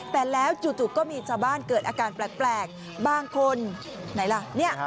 แต่แล้วจู่ก็มีชาวบ้านเกิดอาการแปลกบางคนไหนล่ะ